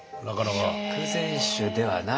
食前酒ではない？